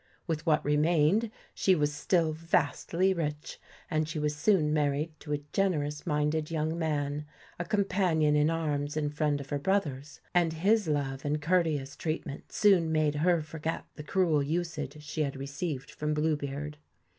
With what remained she was still vastly rich, and she was soon married to a generous minded young man, a companion in arms and friend of her brothers, and his love and cour teous treatment soon made her forget the cruel usage she had received from Blue beard.